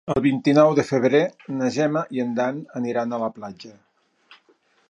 El vint-i-nou de febrer na Gemma i en Dan aniran a la platja.